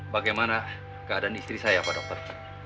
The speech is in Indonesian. bagaimana keadaan istri saya pak dokter